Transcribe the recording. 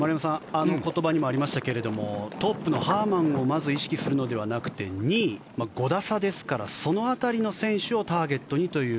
あの言葉にもありましたけれどトップのハーマンをまず意識するのではなくて２位、５打差ですからその辺りの選手をターゲットにという。